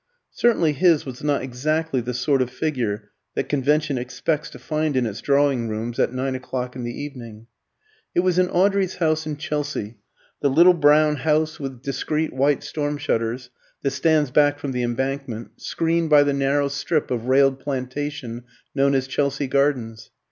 Certainly his was not exactly the sort of figure that convention expects to find in its drawing rooms at nine o'clock in the evening. It was in Audrey's house in Chelsea, the little brown house with discreet white storm shutters, that stands back from the Embankment, screened by the narrow strip of railed plantation known as Chelsea Gardens.